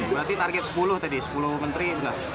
berarti target sepuluh tadi sepuluh menteri sudah